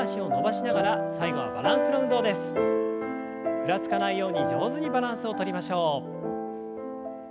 ふらつかないように上手にバランスをとりましょう。